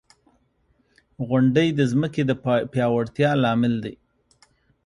• غونډۍ د ځمکې د پیاوړتیا لامل دی.